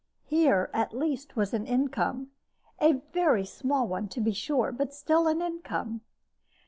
Here at least was an income a very small one, to be sure, but still an income.